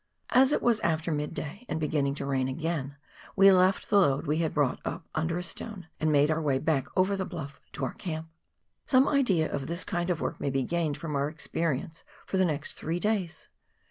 As it was after mid day, and beginning to rain again, we left the load we had brought up under a stone, and made our way back over the bluff to our camp. Some idea of this kind of work may be gained from our experience for the next three days.